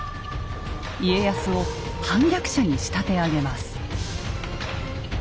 家康を反逆者に仕立て上げます。